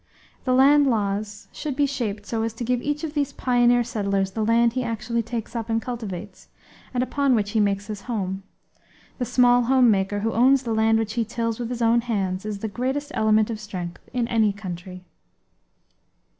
The land laws should be shaped so as to give each of these pioneer settlers the land he actually takes up and cultivates, and upon which he makes his home. The small homemaker, who owns the land which he tills with his own hands, is the greatest element of strength in any country.